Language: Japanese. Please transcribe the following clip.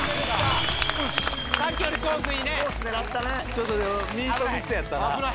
ちょっとでもミートミスやったな。